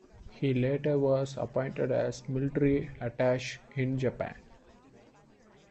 He later was appointed as Military Attache in Japan.